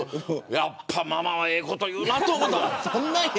やっぱママはええこと言うなって思った。